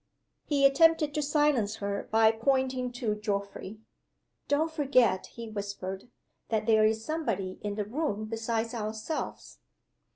He attempted to silence her by pointing to Geoffrey. "Don't forget," he whispered, "that there is somebody in the room besides ourselves."